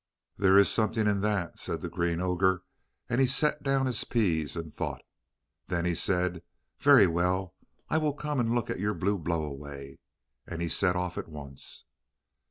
"There is something in that," said the Green Ogre, and he set down his peas, and thought. Then he said: "Very well, I will come and look at your blue blow away." And he set off at once.